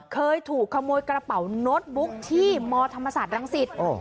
เคยถูกขโมยกระเป๋าโน้ตบุ๊กที่มธรรมศาสตรังสิต